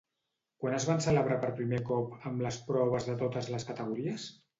Quan es van celebrar per primer cop amb les proves de totes les categories?